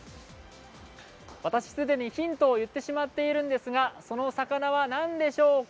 私はすでにヒントを言ってしまっているんですがその魚は何でしょうか？